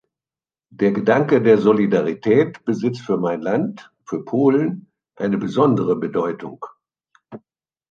Der Gedanke der Solidarität besitzt für mein Land, für Polen, eine besondere Bedeutung.